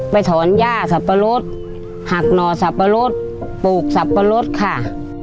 ถอนย่าสับปะรดหักหน่อสับปะรดปลูกสับปะรดค่ะ